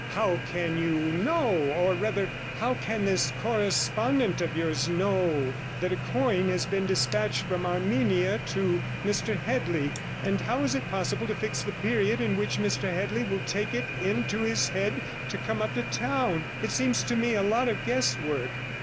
'How can you know or rather, how can this correspondent of yours know that a coin has been despatched from Armenia to Mr Headley? And how is it possible to fix the period in which Mr Headley will take it into his head to come up to town? It seems to me a lot of guesswork.'